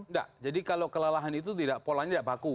tidak jadi kalau kelelahan itu polanya tidak baku